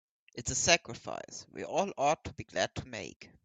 It's a sacrifice we all ought to be glad to make.